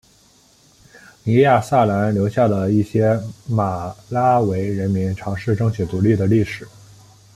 尼亚萨兰留下了一些马拉维人民尝试争取独立的历史。